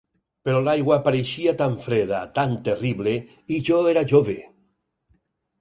Però l'aigua pareixia tan freda, tan terrible, i jo era jove.